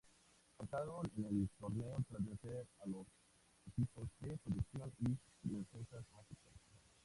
Avanzaron en el torneo tras vencer a los equipos "T-Production" y "Princesas Mágicas".